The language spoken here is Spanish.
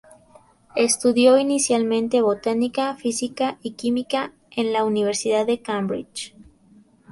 Estudió inicialmente botánica, física y química en la Universidad de Cambridge.